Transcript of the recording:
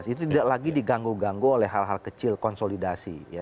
itu tidak lagi diganggu ganggu oleh hal hal kecil konsolidasi